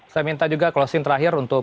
saya minta juga closing terakhir untuk